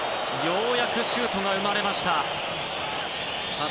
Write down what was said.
ようやくシュートが生まれました。